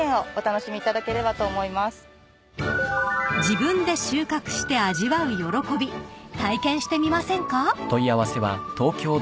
［自分で収穫して味わう喜び体験してみませんか？］